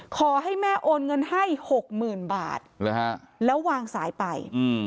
ขอให้แม่โอนเงินให้๖๐๐๐บาทแล้ววางสายไป